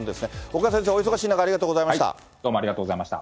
岡先生、お忙しい中、ありがとうございました。